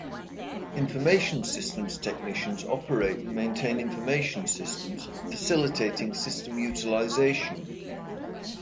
Information systems technicians operate and maintain information systems, facilitating system utilization.